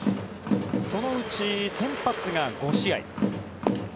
そのうち先発が５試合。